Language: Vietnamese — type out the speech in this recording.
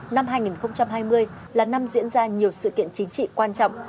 năm hai nghìn hai mươi là năm diễn ra nhiều sự kiện chính trị quan trọng